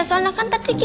soalnya kan tadi gigi